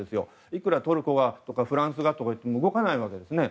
いくらトルコとかフランスといっても動かないわけですね。